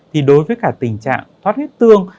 thì đối với cả tình trạng thoát huyết tương